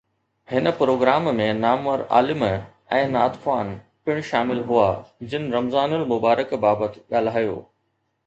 هن پروگرام ۾ نامور عالم ۽ نعت خوان پڻ شامل هئا جن رمضان المبارڪ بابت ڳالهايو